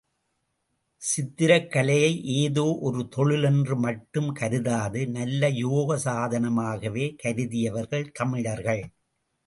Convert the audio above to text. சித்திரக் கலையை ஏதோ ஒரு தொழில் என்று மட்டும் கருதாது நல்ல யோக சாதனமாகவே கருதியவர்கள் தமிழர்கள்.